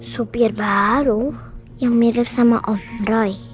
supir baru yang mirip sama off roy